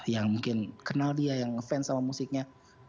yang mungkin kenal dia yang ngefans sama musiknya